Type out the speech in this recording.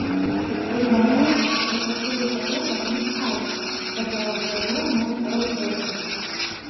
Паведамляецца, што пацярпелы фатограф не стаў падаваць пазоў на рок-зорку.